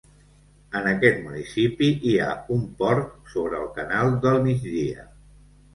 En aquest municipi hi ha un port sobre el Canal del Migdia.